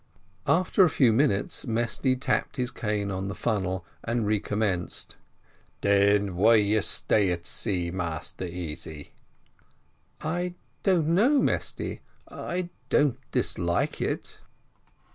After a few minutes, Mesty tapped his cane on the funnel, and recommenced. "Then why you stay at sea, Massa Easy?" "I don't know, Mesty; I don't dislike it."